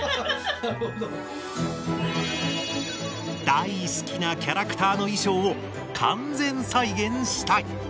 大好きなキャラクターの衣装を完全再現したい！